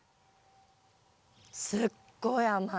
すっごい甘い。